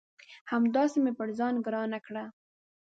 همداسي مې پر ځان ګرانه کړه